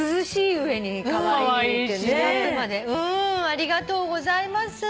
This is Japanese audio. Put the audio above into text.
ありがとうございます。